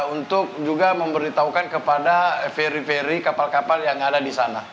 untuk juga memberitahukan kepada ferry ferry kapal kapal yang ada di sana